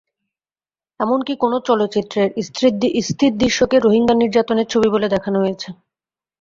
এমনকি কোনো চলচ্চিত্রের স্থির দৃশ্যকে রোহিঙ্গা নির্যাতনের ছবি বলে দেখানো হয়েছে।